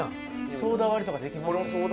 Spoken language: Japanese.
ソーダ割りとかできます？